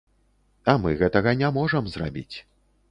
А мы гэтага не можам зрабіць.